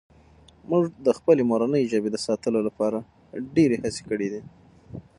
موږ د خپلې مورنۍ ژبې د ساتلو لپاره ډېرې هڅې کړي دي.